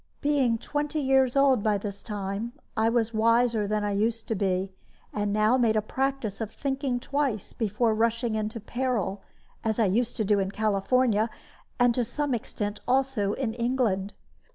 Being twenty years old by this time, I was wiser than I used to be, and now made a practice of thinking twice before rushing into peril, as I used to do in California, and to some extent also in England.